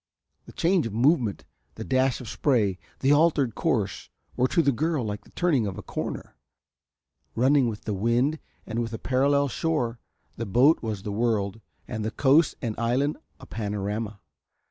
The change of movement, the dash of spray, the altered course were to the girl like the turning of a corner. Running with the wind and with a parallel shore the boat was the world and the coast and island a panorama.